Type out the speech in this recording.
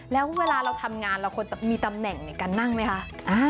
แล้วเวลาเราทำงานเราควรมีตำแหน่งในการนั่งไหมคะ